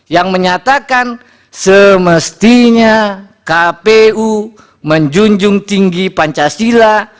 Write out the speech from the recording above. yang menyatakan semestinya kpu menjunjung tinggi pancasila